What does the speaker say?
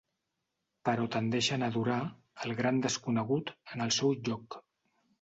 Però tendeixen a adorar "El gran desconegut" en el seu lloc.